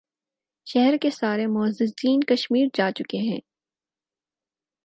شہر کے سارے معززین کشمیر جا چکے ہیں۔